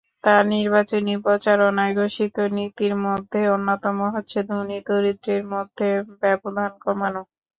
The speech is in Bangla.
তাঁর নির্বাচনী প্রচারণায় ঘোষিত নীতির মধ্যে অন্যতম হচ্ছে ধনী-দরিদ্র্যের মধ্যে ব্যবধান কমানো।